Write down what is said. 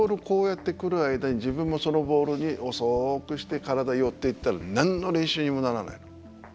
こうやって来る間に自分もそのボールに遅くして体寄っていったら何の練習にもならない。